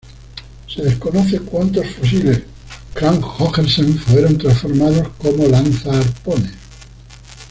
Se desconoce cuantos fusiles Krag-Jørgensen fueron transformados como lanza-arpones.